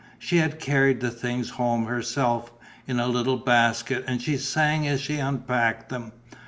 She had carried the things home herself, in a little basket, and she sang as she unpacked them.